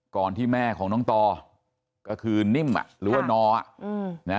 ก่อนที่แม่ของน้องต่อก็คือนิ่มอ่ะหรือว่านอ่ะอืมนะ